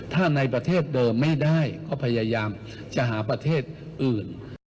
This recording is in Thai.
ถ้าในประเทศเดิมไม่ได้ก็พยายามจะหาประเทศอื่น